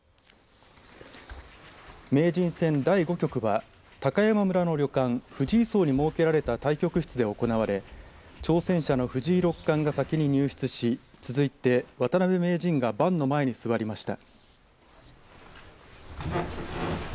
名人戦第５局は高山村の旅館藤井荘に設けられた対局室で行われ挑戦者の藤井六冠が先に入室し続いて渡辺名人が盤の前に座りました。